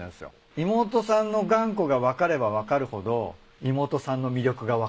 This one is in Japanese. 妹さんの頑固が分かれば分かるほど妹さんの魅力が分かってくる。